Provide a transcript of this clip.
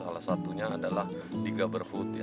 salah satunya adalah di gaberhut